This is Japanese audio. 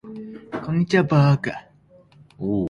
こんにちは、あかちゃん